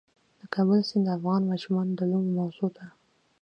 د کابل سیند د افغان ماشومانو د لوبو موضوع ده.